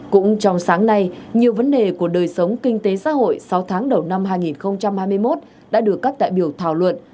cũng trong sáng nay nhiều vấn đề của đời sống kinh tế xã hội sáu tháng đầu năm hai nghìn hai mươi một đã được các đại biểu thảo luận